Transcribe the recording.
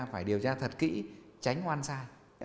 phải điều tra thật kỹ tránh ngoan sai